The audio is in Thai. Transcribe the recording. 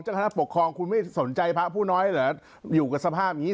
คณะปกครองคุณไม่สนใจพระผู้น้อยเหรออยู่กับสภาพอย่างนี้